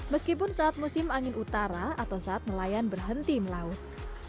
meskipun saat musim angin utara atau saat nelayan berhenti melaut